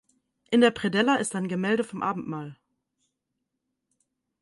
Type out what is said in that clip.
In der Predella ist ein Gemälde vom Abendmahl.